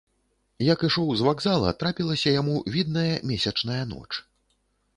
Як ішоў з вакзала, трапілася яму відная, месячная ноч.